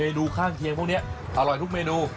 แล้วสั่งเมนูข้างเคียงพวกนี้อร่อยทุกเมนู